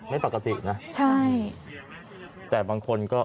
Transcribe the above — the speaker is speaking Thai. ไม่ปกตินะใช่แต่บางคนก็